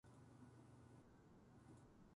温泉に入ると、どうして肌がつるつるになるんだろう。